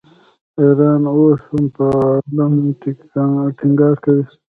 ایران اوس هم په علم ټینګار کوي.